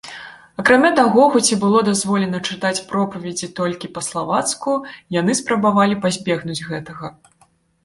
Акрамя таго, хоць і было дазволена чытаць пропаведзі толькі па-славацку, яны спрабавалі пазбегнуць гэтага.